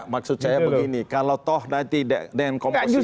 maksud saya begini kalau toh nanti dengan komposisi